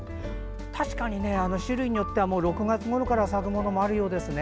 確かに種類によっては６月ごろから咲くものもあるようですね。